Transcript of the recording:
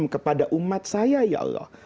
kepada umat saya ya allah